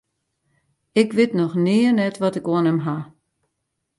Ik wit noch nea net wat ik oan him haw.